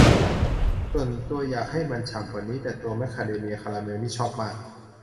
ส่วนตัวอยากให้มันฉ่ำกว่านี้ แต่ตัวแมคคาเดเมียคาราเมลนี่ชอบมาก